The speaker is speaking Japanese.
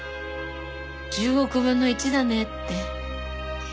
「１０億分の１だね」って。